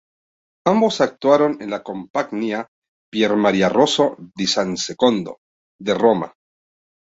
Ambos actuaron en la Compagnia Pier Maria Rosso di San Secondo de Roma.